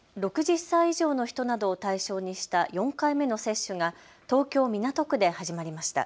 ６０歳以上の人などを対象にした４回目の接種が東京港区で始まりました。